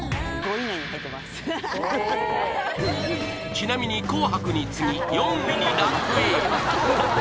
ちなみに紅白につぎ４位にランクイン